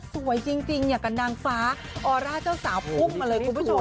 สวยจริงอย่างกับนางฟ้าออร่าเจ้าสาวพุ่งมาเลยคุณผู้ชม